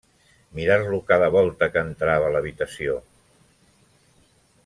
Mirar-lo cada volta que entrava a l’habitació.